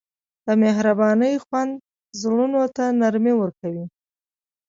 د مهربانۍ خوند زړونو ته نرمي ورکوي.